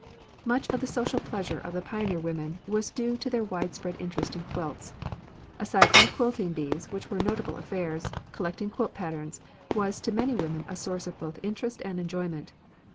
Much of the social pleasure of the pioneer women was due to their widespread interest in quilts. Aside from the quilting bees, which were notable affairs, collecting quilt patterns was to many women a source of both interest and enjoyment.